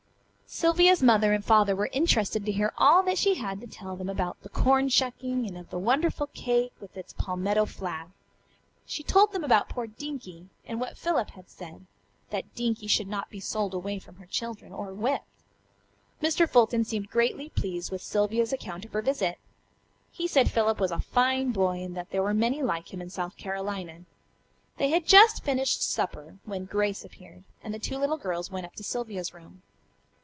Sylvia's mother and father were interested to hear all that she had to tell them about the corn shucking, and of the wonderful cake with its palmetto flag. She told them about poor Dinkie, and what Philip had said: that Dinkie should not be sold away from her children, or whipped. Mr. Fulton seemed greatly pleased with Sylvia's account of her visit. He said Philip was a fine boy, and that there were many like him in South Carolina. They had just finished supper when Grace appeared, and the two little girls went up to Sylvia's room.